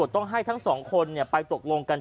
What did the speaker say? ต้องให้ทั้งสองคนไปตกลงกัน